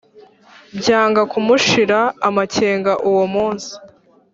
byanga kumushira amakenga uwo munsi